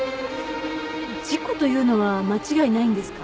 事故というのは間違いないんですか？